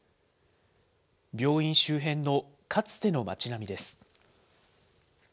病院周辺のかつての町並みです。